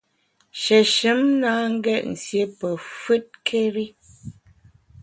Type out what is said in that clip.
Shéshùm na ngét nsié pe fùtkéri.